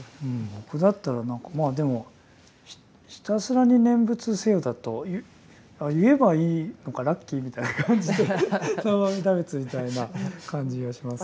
僕だったらまあでもひたすらに念仏をせよだと言えばいいのかラッキーみたいな感じで南無阿弥陀仏みたいな感じがしますけどね。